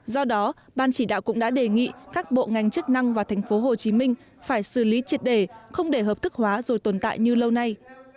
do đó ban chỉ đạo cũng đã đề nghị các bộ ngành chức năng và tp hcm phải xử lý triệt đề không để hợp thức hóa rồi tồn tại như lâu nay